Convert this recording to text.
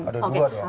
ada dua ya